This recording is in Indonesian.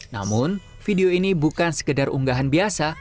namun video ini bukan sekedar unggahan biasa